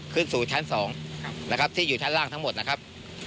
ขึ้นสู่ชั้น๒นะครับที่อยู่ชั้นล่างทั้งหมดนะครับ